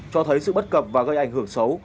cho thấy sự bất cập và gây ảnh hưởng xấu